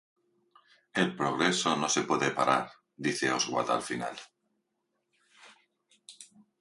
El progreso no se puede parar, dice Oswald al final.